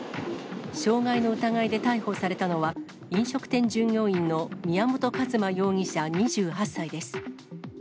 傷害の疑いで逮捕されたのは、飲食店従業員の宮本一馬容疑者２８歳です。